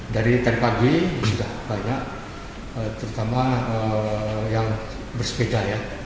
dari pagi sudah banyak terutama yang bersepeda